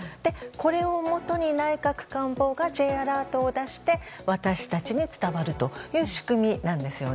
これをもとに、内閣官房がＪアラートを出して私たちに伝わるという仕組みなんです。